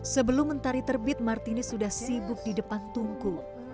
sebelum mentari terbit martini sudah sibuk di depan tungku